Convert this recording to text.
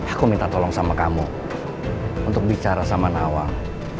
aku minta tolong sama kamu untuk bicara sama nawal